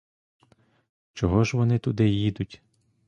Чого ж вони туди їдуть?